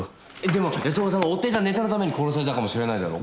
でも安岡さんは追っていたネタのために殺されたかもしれないだろ？